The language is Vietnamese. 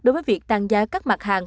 đối với việc tăng giá các mặt hàng